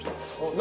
何？